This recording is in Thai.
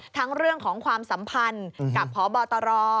เรื่องของความสัมพันธ์กับพบตร